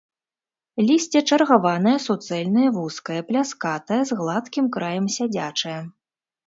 Лісце чаргаванае, суцэльнае, вузкае, пляскатае, з гладкім краем, сядзячае.